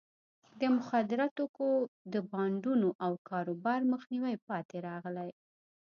د مخدره توکو د بانډونو او کاروبار مخنیوي پاتې راغلی.